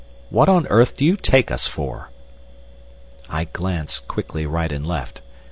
What on earth do you take us for?" I glanced quickly right and left.